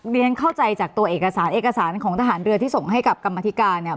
เรียนเข้าใจจากตัวเอกสารเอกสารของทหารเรือที่ส่งให้กับกรรมธิการเนี่ย